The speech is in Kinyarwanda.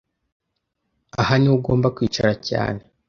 Aha niho ugomba kwicara cyane